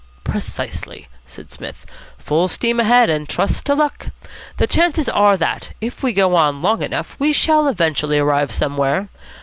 "Precisely," said Psmith. "Full steam ahead, and trust to luck. The chances are that, if we go on long enough, we shall eventually arrive somewhere.